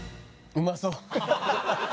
「うまそう」